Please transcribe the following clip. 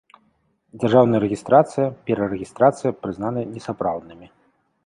Дзяржаўная рэгiстрацыя, перарэгiстрацыя прызнаны несапраўднымi.